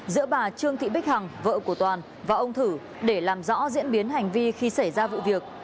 giữa bà trương thị bích hằng vợ của toàn và ông thử để làm rõ diễn biến hành vi khi xảy ra vụ việc